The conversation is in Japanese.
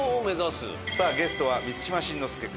さあゲストは満島真之介君。